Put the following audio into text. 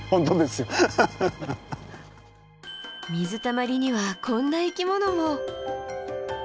水たまりにはこんな生き物も。